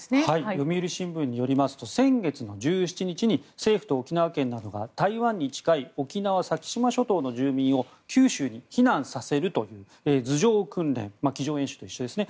読売新聞によりますと先月の１７日に政府と沖縄県などが台湾に近い沖縄の先島諸島の住民を九州に避難させるという図上訓練机上演習と一緒ですね